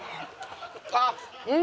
あっうん！